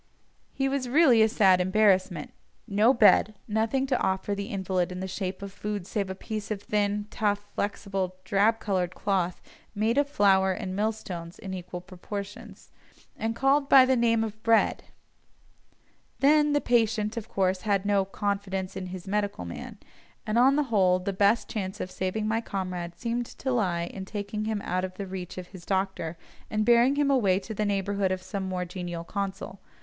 Here was really a sad embarrassment—no bed; nothing to offer the invalid in the shape of food save a piece of thin, tough, flexible, drab coloured cloth, made of flour and mill stones in equal proportions, and called by the name of "bread"; then the patient, of course, had no "confidence in his medical man," and on the whole, the best chance of saving my comrade seemed to lie in taking him out of the reach of his doctor, and bearing him away to the neighbourhood of some more genial consul.